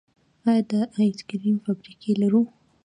آیا د آیس کریم فابریکې لرو؟